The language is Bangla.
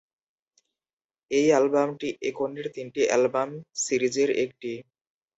এই অ্যালবামটি একনের তিনটি অ্যালবাম সিরিজের একটি।